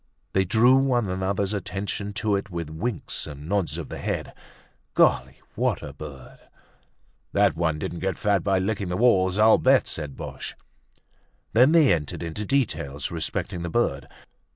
They drew one another's attention to it with winks and nods of the head. Golly! What a bird! "That one didn't get fat by licking the walls, I'll bet!" said Boche. Then they entered into details respecting the bird.